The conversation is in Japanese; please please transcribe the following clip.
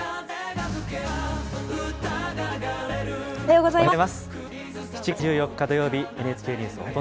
おはようございます。